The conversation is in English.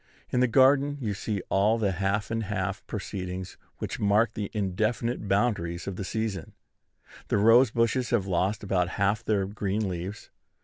In the garden you see all the half and half proceedings which mark the indefinite boundaries of the season. The rose bushes have lost about half their green leaves.